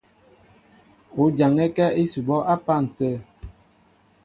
O jaŋɛ́kɛ́ ísʉbɔ́ á pân tə̂.